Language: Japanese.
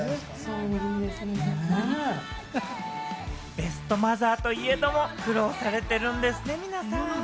ベストマザー賞といえども苦労されてるんですね、皆さん。